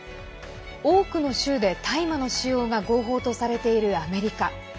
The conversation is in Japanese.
多くの州で大麻の使用が合法とされているアメリカ。